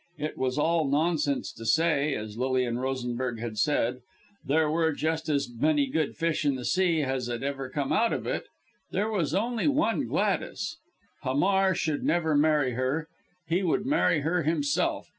It was all nonsense to say, as Lilian Rosenberg had said, there were just as many good fish in the sea as had ever come out of it there was only one Gladys. Hamar should never marry her he would marry her himself.